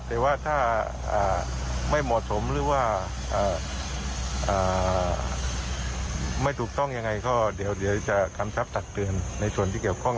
แต่ว่าถ้าไม่เหมาะสมหรือว่าไม่ถูกต้องยังไงก็เดี๋ยวจะกำชับตักเตือนในส่วนที่เกี่ยวข้อง